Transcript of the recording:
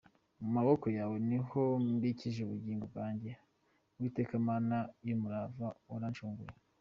Mu maboko yawe ni ho mbikije ubugingo bwanjye, Uwiteka Mana y’umurava, warancunguye.